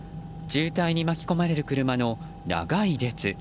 渋滞に巻き込まれる車の長い列。